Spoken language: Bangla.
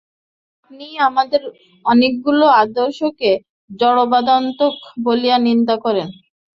আপনিই আমাদের অনেকগুলি আদর্শকে জড়বাদাত্মক বলিয়া নিন্দা করেন।